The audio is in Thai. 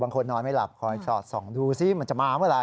บางคนนอนไม่หลับขออีกสักสองดูสิมันจะมาเมื่อไร